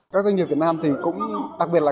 các doanh nghiệp việt nam